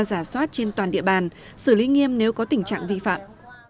giả soát trên toàn địa bàn xử lý nghiêm nếu có tình trạng vi phạm